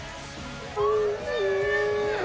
おいしい。